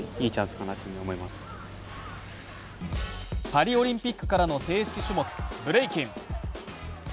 パリオリンピックからの正式種目・ブレイキン。